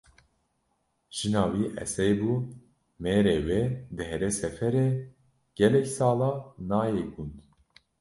Jina wî Esê bû, mêrê wê dihere seferê gelek sala nayê gund